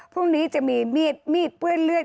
พรุ่งนี้จะมีมีดมีดเปื้อนเลือด